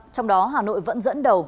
trong đó hà nội vẫn dẫn đầu